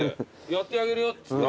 「やってあげるよ」っつって。